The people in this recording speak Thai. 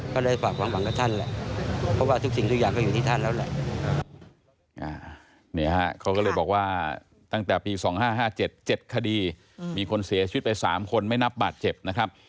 ตั้งแต่ปี๒๕๕๗เจ็ดคดีมีคนเสียชีวิตไป๓คนไม่นับบัตรเจ็บนะครับ